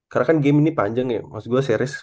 karna kan game ini panjang ya maksud gua series